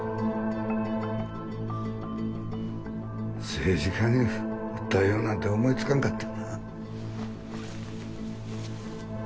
政治家に訴えようなんて思い付かんかったな。